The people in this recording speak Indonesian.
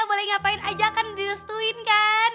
boleh ngapain aja kan direstuin kan